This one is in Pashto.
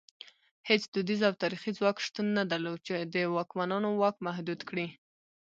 هېڅ دودیز او تاریخي ځواک شتون نه درلود چې د واکمنانو واک محدود کړي.